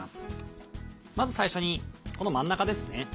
まず最初にこの真ん中ですね。